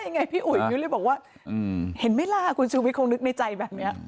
ไงพี่อุ๋ยมิ้วเลยบอกว่าเห็นไหมล่ะคุณชูวิทคงนึกในใจแบบนี้